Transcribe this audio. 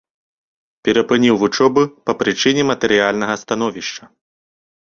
Перапыніў вучобу па прычыне матэрыяльнага становішча.